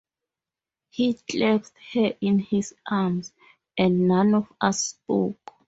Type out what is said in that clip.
He clasped her in his arms, and none of us spoke.